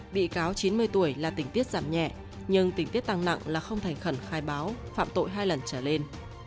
bị cáo chín mươi tuổi là tỉnh tiết giảm nhẹ nhưng tình tiết tăng nặng là không thành khẩn khai báo phạm tội hai lần trở lên